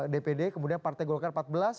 dpd kemudian partai golkar empat belas